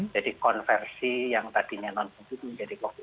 jadi konversi yang tadinya non covid menjadi covid